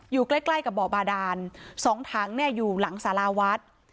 อยู่ใกล้ใกล้กับบ่อบาดานสองถังเนี่ยอยู่หลังสาราวัด